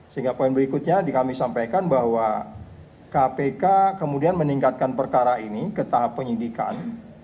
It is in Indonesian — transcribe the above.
sehingga poin berikutnya kami sampaikan bahwa kpk kemudian meningkatkan perkara ini ke tahap penyidikan